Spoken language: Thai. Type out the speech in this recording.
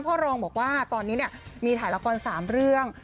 พ่อรองบอกว่าตอนนี้มีถ่ายละคร๓เรื่อง